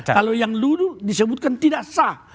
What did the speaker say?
kalau yang luru disebutkan tidak sah